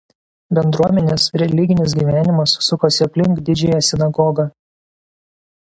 Bendruomenės religinis gyvenimas sukosi aplink Didžiąją sinagogą.